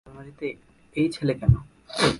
আলমারিতে এই ছেলে কেন?